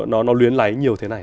nó luyến lấy nhiều thế này